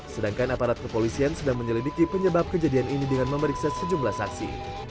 sedangkan aparat kepolisian sedang menyelidiki penyebab kejadian ini dengan memeriksa sejumlah saksi